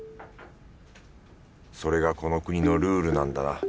それがこの国のルールなんだな。